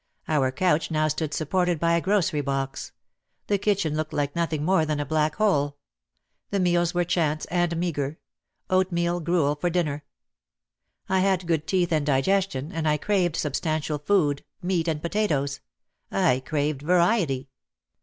Our couch now stood supported by a grocery box; the kitchen looked like nothing more than a black hole; the meals were chance and meagre — oatmeal gruel for dinner. I had good teeth and digestion and I craved substantial food, meat and potatoes. I craved variety.